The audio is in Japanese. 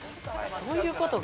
そういうことか。